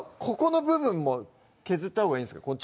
ここの部分も削ったほうがいいんですか？